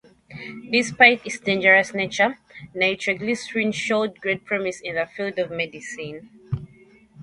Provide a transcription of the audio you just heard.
Despite its dangerous nature, nitroglycerin showed great promise in the field of medicine.